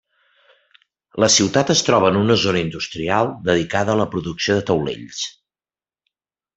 La ciutat es troba en una zona industrial dedicada a la producció de taulells.